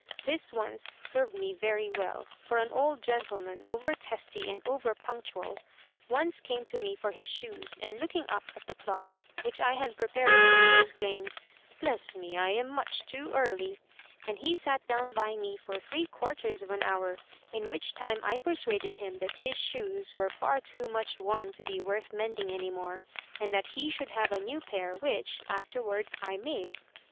This once served me very well, for an old gentleman, over testy and over punctual, once came to me for his shoes, and looking up at the clock, which I had prepared for him, exclaimed, 'Bless me! I am much too early!' And he sat down by me for three quarters of an hour, in which time I persuaded him that his shoes were far too much worn to be worth mending any more, and that he should have a new pair, which, afterward, I made."